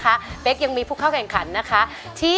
คุณแม่รู้สึกยังไงในตัวของกุ้งอิงบ้าง